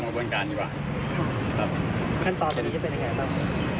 ครับขั้นตอนนี้จะเป็นอย่างไรบ้าง